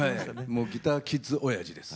もうギターキッズおやじです。